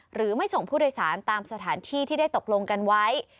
หรือไม่ส่งผู้โดยสารตามสถานที่ที่ได้ตกลงกันไว้